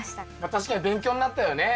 確かに勉強になったよね。